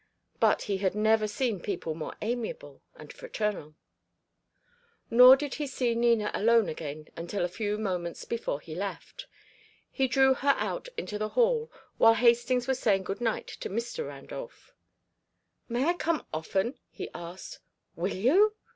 But he had never seen people more amiable and fraternal. He did not see Nina alone again until a few moments before he left. He drew her out into the hall while Hastings was saying good night to Mr. Randolph. "May I come often?" he asked. "Will you?"